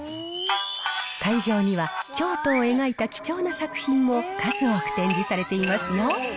会場には京都を描いた貴重な作品も数多く展示されていますよ